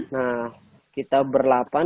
nah kita berlapan